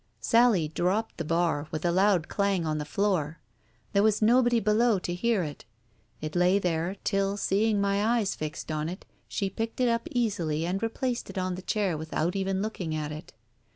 Sally dropped the bar, with a loud clang on the floor. There was nobody below to hear it. It lay there, till seeing my eyes fixed on it, she picked it up easily and replaced it on the chair without even looking at it.